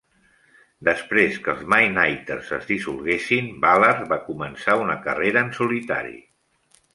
Després que els Midnighters es dissolguessin, Ballard va començar una carrera en solitari.